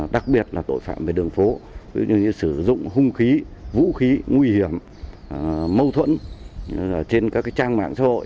đặc biệt là tội phạm về đường phố ví dụ như sử dụng hung khí vũ khí nguy hiểm mâu thuẫn trên các trang mạng xã hội